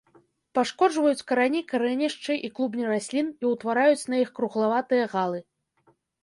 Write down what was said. Пашкоджваюць карані, карэнішчы і клубні раслін і ўтвараюць на іх круглаватыя галы.